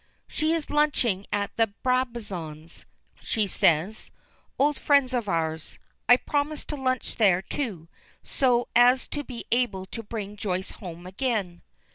"She is lunching at the Brabazons'," she says; "old friends of ours. I promised to lunch there, too, so as to be able to bring Joyce home again."